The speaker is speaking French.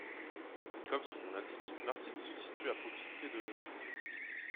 Comme son nom l'indique, Marcilly se situe à proximité de l'Eure.